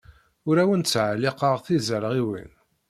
Ur awent-ttɛelliqeɣ tizalɣiwin.